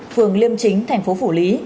phường liêm chính thành phố phủ lý